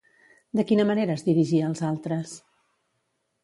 De quina manera es dirigia als altres?